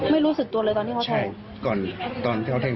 ไม่รู้สึกตัวเลยตอนที่เขาแทง